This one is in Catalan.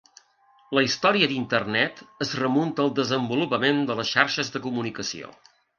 La història d'Internet es remunta al desenvolupament de les xarxes de comunicació.